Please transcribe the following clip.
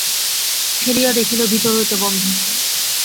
ঠেলিয়া দেখিল, ভিতর হইতে বন্ধ।